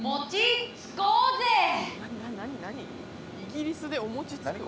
イギリスでお餅つくの？